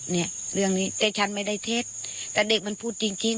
เนี่ยเรื่องนี้แต่ฉันไม่ได้เท็จแต่เด็กมันพูดจริงจริง